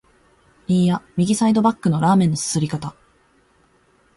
いーや、右サイドバックのラーメンの啜り方！